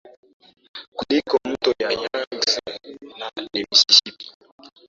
kuliko Mto Nile Yangtze na the Mississippi